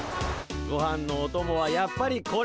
ごはんのおともはやっぱりこれにかぎるで。